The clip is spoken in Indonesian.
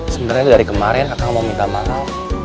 sebenernya dari kemaren akang mau minta maaf